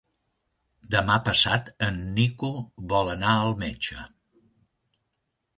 Demà passat en Nico vol anar al metge.